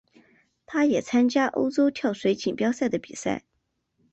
他也参加欧洲跳水锦标赛的比赛。